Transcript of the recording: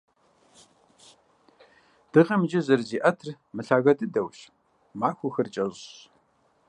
Дыгъэм иджы зэрызиӏэтыр мылъагэ дыдэущ, махуэхэр кӏэщӏщ.